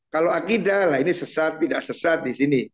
kalau akidah lah ini sesat tidak sesat di sini